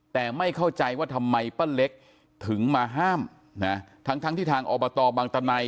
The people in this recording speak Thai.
แต่ไม่เข้าใจว่าทำไมป้าเล็กถึงมาห้ามนะทั้งทั้งที่ทางอบตบังตะไน